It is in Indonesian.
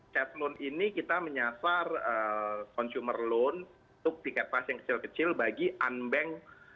chat loan ini kita menyasar consumer loan untuk tiket pas yang kecil kecil bagi unbank